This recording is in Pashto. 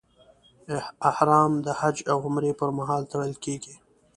احرام د حج او عمرې پر مهال تړل کېږي.